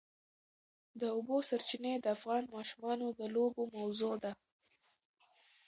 د اوبو سرچینې د افغان ماشومانو د لوبو موضوع ده.